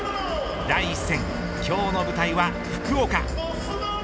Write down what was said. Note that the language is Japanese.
第１戦、今日の舞台は福岡。